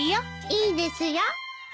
いいですよ。